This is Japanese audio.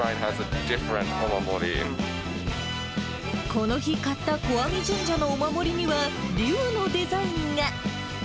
この日、買った小網神社のお守りには、竜のデザインが。